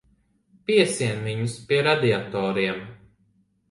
Piesien viņus pie radiatoriem.